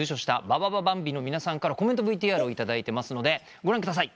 ババババンビの皆さんからコメントＶＴＲ頂いてますのでご覧ください。